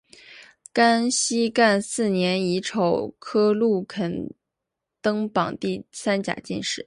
康熙廿四年乙丑科陆肯堂榜第三甲进士。